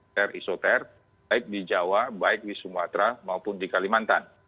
ter isoter baik di jawa baik di sumatera maupun di kalimantan